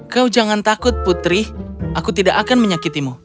kau jangan takut putri aku tidak akan menyakitimu